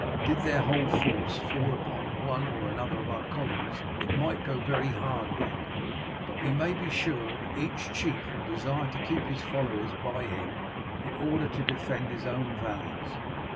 Did their whole force fall upon one or other of our columns it might go very hard with it; but we may be sure that each chief will desire to keep his followers by him, in order to defend his own valleys.